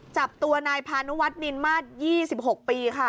จับตัวนายพานุวัฒนินมาส๒๖ปีค่ะ